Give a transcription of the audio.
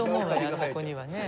あそこにはね。